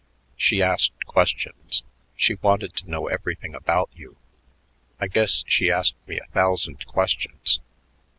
"She asked questions. She wanted to know everything about you. I guess she asked me a thousand questions.